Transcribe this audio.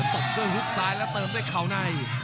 ตบด้วยฮุกซ้ายแล้วเติมด้วยเขาใน